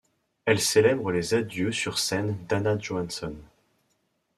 Elle célèbre les adieux sur scène d'Anna Johansson.